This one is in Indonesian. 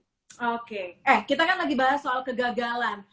oke eh kita kan lagi bahas soal kegagalan